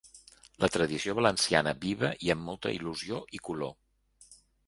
La tradició valenciana viva i amb molta il•lusió i color!